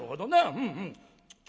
うんうん。